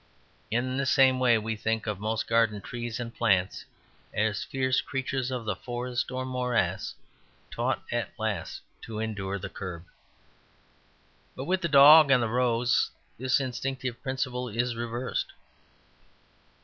In the same way we think of most garden trees and plants as fierce creatures of the forest or morass taught at last to endure the curb. But with the dog and the rose this instinctive principle is reversed.